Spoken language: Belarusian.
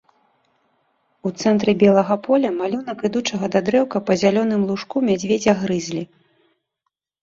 У цэнтры белага поля малюнак ідучага да дрэўка па зялёным лужку мядзведзя грызлі.